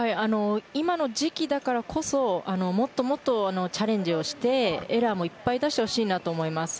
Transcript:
今の時期だからこそもっともっとチャレンジをしてエラーもいっぱい出してほしいなと思います。